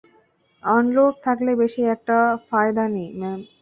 Unload থাকলে বেশী একটা ফায়দাও নেই, ম্যাম।